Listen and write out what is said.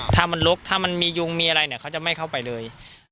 ถ้ามันลุกถ้ามันมียุงมีอะไรเนี่ยเขาจะไม่เข้าไปเลย